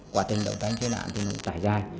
quả tình đấu tranh chứa đạn thì phải dài